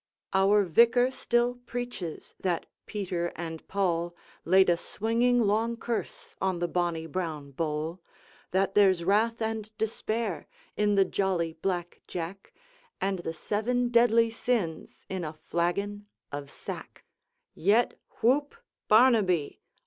Our vicar still preaches that Peter and Poule Laid a swinging long curse on the bonny brown bowl, That there 's wrath and despair in the jolly black jack, And the seven deadly sins in a flagon of sack; Yet whoop, Barnaby!